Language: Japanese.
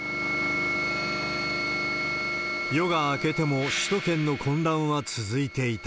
夜が明けても首都圏の混乱は続いていた。